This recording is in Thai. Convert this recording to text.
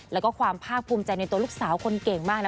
แล้วก็ความภาคภูมิใจในตัวลูกสาวคนเก่งมากนะ